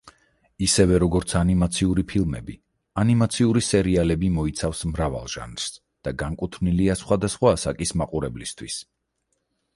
ისევე, როგორც ანიმაციური ფილმები, ანიმაციური სერიალები მოიცავს მრავალ ჟანრს და განკუთვნილია სხვადასხვა ასაკის მაყურებლისთვის.